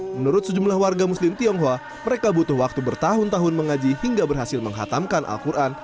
menurut sejumlah warga muslim tionghoa mereka butuh waktu bertahun tahun mengaji hingga berhasil menghatamkan al quran